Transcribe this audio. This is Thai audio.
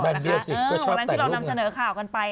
วันนั้นที่เรานำเสนอข่าวกันไป